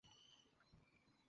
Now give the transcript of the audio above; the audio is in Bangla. নিশ্চয়ই ফিরে আসবে।